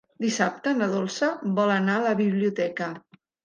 Dissabte na Dolça vol anar a la biblioteca.